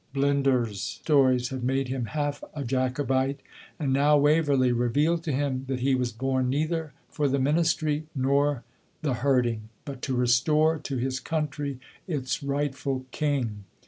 Blinder's stories had made him half a Jacobite, and now "Waverley" revealed to him that he was born neither for the ministry nor the herding, but to restore to his country its rightful king.